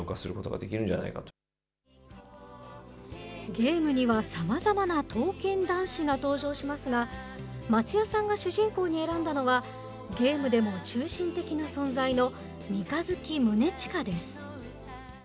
ゲームにはさまざまな刀剣男士が登場しますが、松也さんが主人公に選んだのは、ゲームでも中心的な存在の三日月宗近です。